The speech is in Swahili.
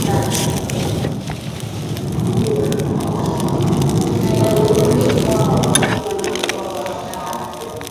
na ya Burundi mkoa wa Makamba na mkoa wa Rutana